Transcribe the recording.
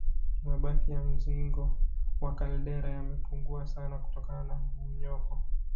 Mabaki ya mzingo wa kaldera yamepungua sana kutokana na mmomonyoko